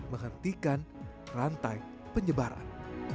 menghentikan rantai penyebaran